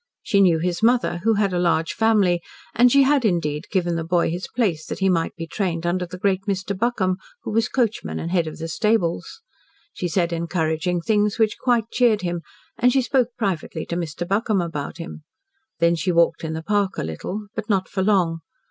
She knew his mother, who had a large family, and she had, indeed, given the boy his place that he might be trained under the great Mr. Buckham, who was coachman and head of the stables. She said encouraging things which quite cheered him, and she spoke privately to Mr. Buckham about him. Then she walked in the park a little, but not for long.